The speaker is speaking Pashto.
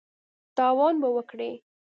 تاوان به وکړې !